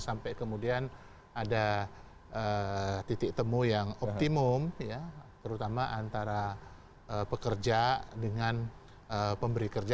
sampai kemudian ada titik temu yang optimum ya terutama antara pekerja dengan pemberi kerja